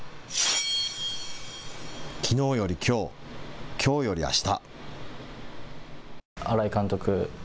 きのうよりきょう、きょうよりあした。